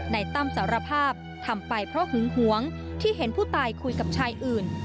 ตั้มสารภาพทำไปเพราะหึงหวงที่เห็นผู้ตายคุยกับชายอื่น